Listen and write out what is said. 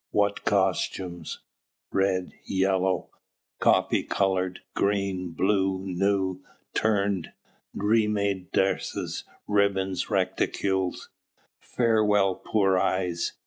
what costumes! red, yellow, coffee colour, green, blue, new, turned, re made dresses, ribbons, reticules. Farewell, poor eyes!